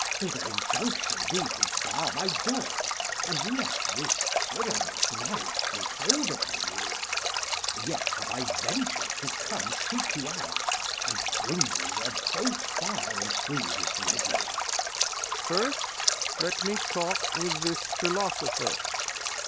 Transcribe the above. Though their injunction be to bar my doors And let this tyrannous night take hold upon you, Yet have I ventur'd to come seek you out And bring you where both fire and food is ready. Lear. First let me talk with this philosopher.